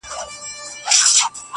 زړه مي در سوځي چي ته هر گړی بدحاله یې.